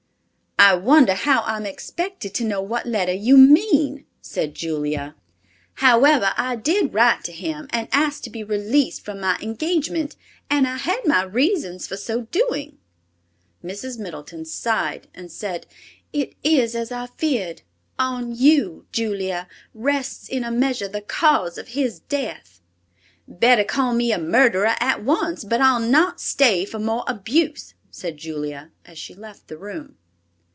"I wonder how I'm expected to know what letter you mean," said Julia. "However, I did write to him and ask to be released from my engagement, and I had my reasons for so doing." Mrs. Middleton sighed and said, "It is as I feared; on you, Julia, rests in a measure the cause of his death." "Better call me a murderer at once. But I'll not stay for more abuse," said Julia, as she left the room.